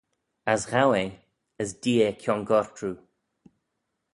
As ghow eh, as d'ee eh kiongoyrt roo.